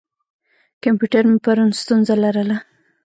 کمپیوټر مې پرون ستونزه لرله.